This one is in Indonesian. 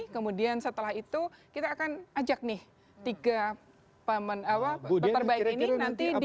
kemudian setelah itu kita akan ajak nih tiga pemen awal pak perbaik ini nanti di